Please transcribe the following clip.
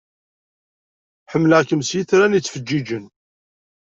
Ḥemmleɣ-kem s yitran i yettfeǧiǧen.